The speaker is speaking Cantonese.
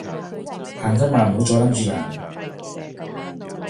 行得慢唔好阻撚住人